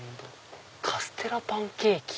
「カステラパンケーキ」。